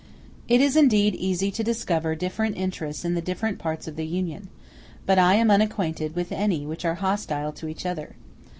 ]] It is indeed easy to discover different interests in the different parts of the Union, but I am unacquainted with any which are hostile to each other.